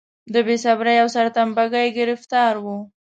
د بې صبرۍ او سرتمبه ګۍ ګرفتار و.